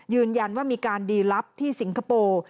ยืนยันว่ามีการดีลับที่สิงคโปร์